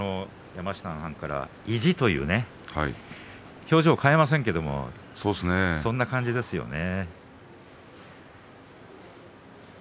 山科さんから意地という表情を変えませんけれどもそんな感じですね。